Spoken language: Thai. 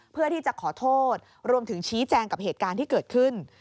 เพื่อที่จะขอโทษรวมถึงชี้แจงกับเหตุการณ์ที่เกิดขึ้น